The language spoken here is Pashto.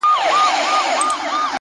سیاه پوسي ده’ ژوند تفسیرېږي’